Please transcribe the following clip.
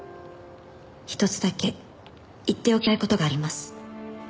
「一つだけ言っておきたいことがあります」